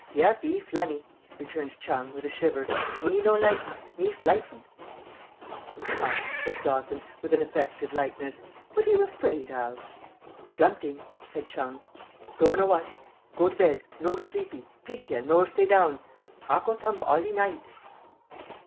"Yeppee, flunny," returned Chung, with a shiver. "Me no likee. Me flightened." "Oh, come!" said Dawson, with an affected lightness. "What are you afraid of?" "Slumting," said Chung. "Do' know what. Go to bled; no sleepee; pigtail no stay down; heart go thump allee night."